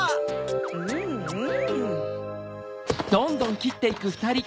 うんうん。